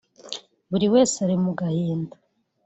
Buri wese ari mu gahinda